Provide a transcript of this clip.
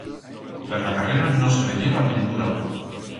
Per la carrera no se veyeba nengún auto.